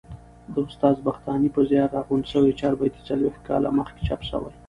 د استاد بختاني په زیار راغونډي سوې چاربیتې څلوبښت کال مخکي چاپ سوې.